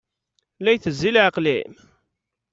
La itezzi leɛqel-im?